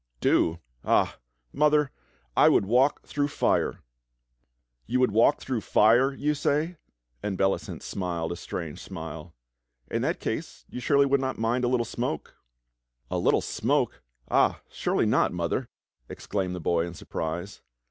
"Do? Ah! Mother, I would \valk through fire." "You would walk through fire, you say?" and Bellicent smiled a strange smile. "In that case you surely would not mind a little smoke?" GAKETH THE KITCHEN KNAVE 39 'A little smoke? Ah! surely not, Mother," exclaimed the boy in surprise.